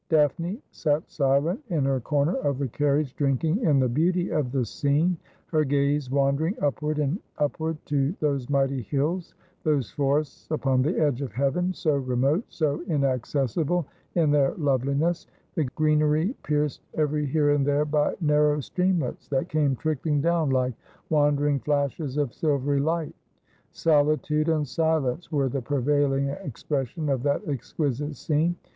Daphne sat silent in her corner of the carriage, drinking in the beauty of the scene, her gaze wandering upward and upward to those mighty hills, those forests upon the edge of heaven, so re mote, so inaccessible in their loveliness, the greenery pierced every here and there by narrow streamlets that came trickling down like wandering flashes of silvery light. Solitude and silence were the prevailing expression of that exquisite scene.